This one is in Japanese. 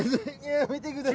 やめてください。